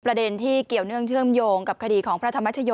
ประเด็นที่เกี่ยวเนื่องเชื่อมโยงกับคดีของพระธรรมชโย